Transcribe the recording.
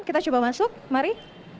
kita coba masuk mari